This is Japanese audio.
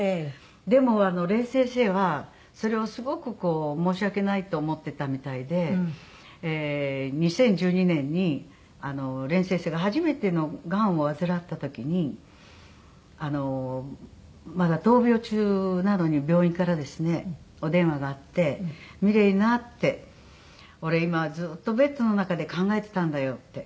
でも礼先生はそれをすごく申し訳ないと思ってたみたいで２０１２年に礼先生が初めてのがんを患った時にまだ闘病中なのに病院からですねお電話があって「ミレイな」って「俺今ずっとベッドの中で考えてたんだよ」って。